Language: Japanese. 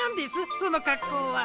そのかっこうは。